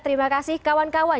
terima kasih kawan kawan